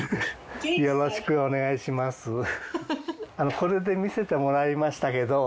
これで見せてもらいましたけど。